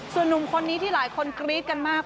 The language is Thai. ส่วนหนุ่มคนนี้ที่หลายคนกรี๊ดกันมาก